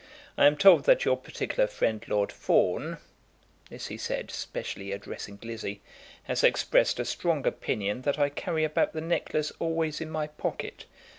I am told that your particular friend, Lord Fawn," this he said, specially addressing Lizzie, "has expressed a strong opinion that I carry about the necklace always in my pocket.